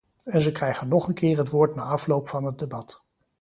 En ze krijgen nog een keer het woord na afloop van het debat.